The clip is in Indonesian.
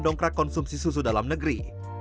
dongkrak konsumsi susu dalam negeri